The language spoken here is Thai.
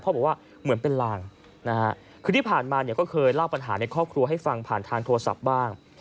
บอกว่าเหมือนเป็นลางนะฮะคือที่ผ่านมาเนี่ยก็เคยเล่าปัญหาในครอบครัวให้ฟังผ่านทางโทรศัพท์บ้าง